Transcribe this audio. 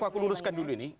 aku luluskan dulu ini